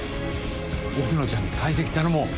奥野ちゃんに解析頼もう。